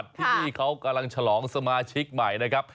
ที่นี่เขากำลังฉลองสมาชิกใหม่นะครับ